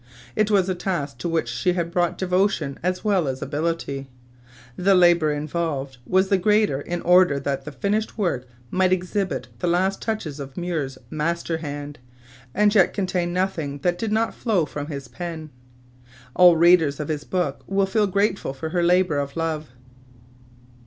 It was a task to which she brought devotion as well as ability. The labor involved was the greater in order that the finished work might exhibit the last touches of Muir's master hand, and yet contain nothing that did not flow from his pen. All readers of this book will feel grateful for her labor of love.